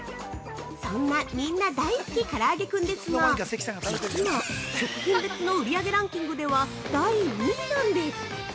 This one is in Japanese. ◆そんな、みんな大好きからあげクンですが実は食品別の売上ランキングでは第２位なんです！